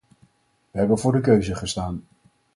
We hebben voor de keuze gestaan.